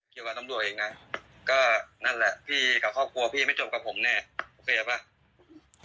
ว่าตำรวจเองนะก็นั่นแหละพี่กับครอบครัวพี่ไม่จบกับผมแน่โอเคป่ะ